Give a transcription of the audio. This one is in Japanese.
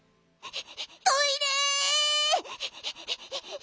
トイレ！